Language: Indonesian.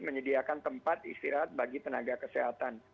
menyediakan tempat istirahat bagi tenaga kesehatan